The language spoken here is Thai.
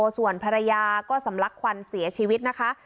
ส่วนภรรยาก็สำลักควันเสียชีวิตนะคะ